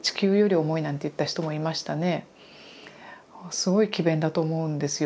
すごい詭弁だと思うんですよ。